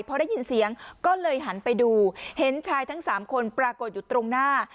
พอได้ยินเสียงก็เลยหันไปดูเห็นชายทั้ง๓คนปรากฏอยู่ตรงหน้า